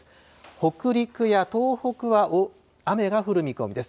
北陸や東北は雨が降る見込みです。